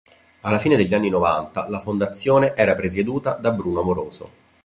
Alla fine degli anni Novanta, la fondazione era presieduta da Bruno Amoroso.